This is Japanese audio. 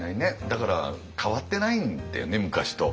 だから変わってないんだよね昔と。